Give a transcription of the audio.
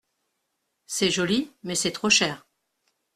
C’est joli mais c’est trop cher.